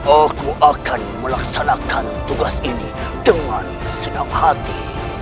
aku akan melaksanakan tugas ini dengan sedap hati